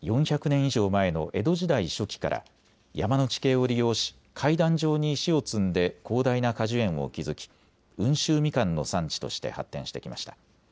以上前の江戸時代初期から山の地形を利用し階段状に石を積んで広大な果樹園を築き温州みかんの産地として発展してきました。